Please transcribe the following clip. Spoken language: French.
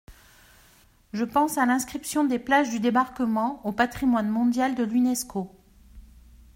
Je pense à l’inscription des plages du débarquement au patrimoine mondial de l’Unesco.